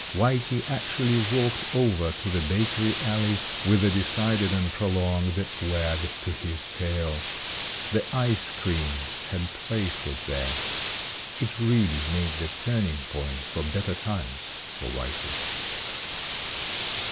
Whitey actually walked over to the bakery alley with a decided and prolonged wag to his tail. The ice cream had placed it there. It really made the turning point for better times for Whitey.